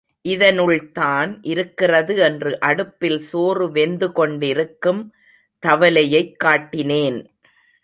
இதனுள்தான் இருக்கிறது என்று அடுப்பில் சோறுவெந்து கொண்டிருக்கும் தவலையைக் காட்டினேன்.